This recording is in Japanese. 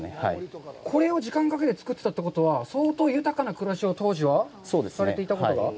これを時間かけて、つくっていたということは、相当豊かな暮らしを当時はされていたことが？